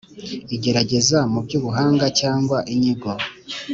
Igerageza mu by ubuhanga cyangwa inyigo